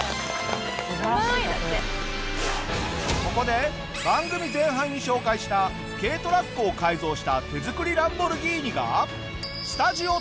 ここで番組前半に紹介した軽トラックを改造した手作りランボルギーニが。